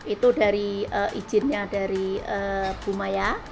itu dari izinnya dari bu maya